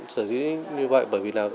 sở dĩ như vậy bởi vì là